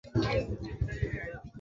বাইরে প্রচুর ঠান্ডা।